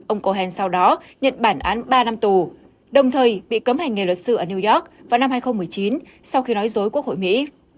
ông cohen sau đó nhận bản án ba năm tù đồng thời bị cấm hành nghề luật sư ở new york vào năm hai nghìn một mươi chín sau khi nói dối quốc hội mỹ